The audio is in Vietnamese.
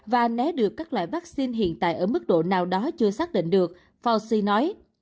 và né được các loại vaccine hiện tại ở mức độ nào đó chưa xác định được forci nói